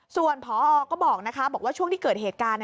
ส่วนพอก็บอกว่าช่วงที่เกิดเหตุการณ์